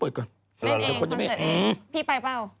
พี่ไปเปล่า